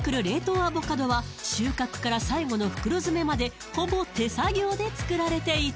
アボカドは収穫から最後の袋詰めまでほぼ手作業で作られていた